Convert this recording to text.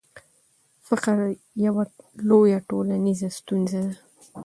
فقر یوه لویه ټولنیزه ستونزه ده.